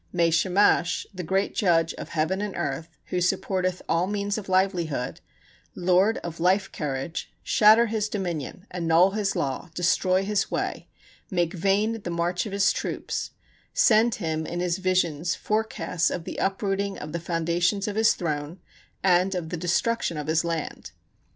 May Shamash, the great Judge of heaven and earth, who supporteth all means of livelihood, Lord of life courage, shatter his dominion, annul his law, destroy his way, make vain the march of his troops, send him in his visions forecasts of the uprooting of the foundations of his throne and of the destruction of his land.